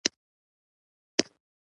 بوی د ګلاب د ښکلا یوه برخه ده.